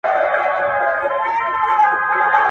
د خوښۍ کمبله ټوله سوه ماتم سو!